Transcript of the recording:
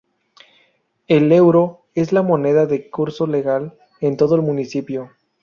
El euro es la moneda de curso legal en todo el municipio.